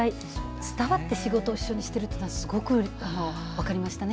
伝わって仕事一緒にしているというのはすごく分かりましたね。